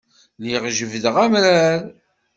Lliɣ jebbdeɣ amrar.